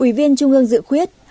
hai ủy viên trung ương dự khuyết